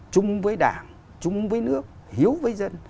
chung với đảng chung với nước hiếu với dân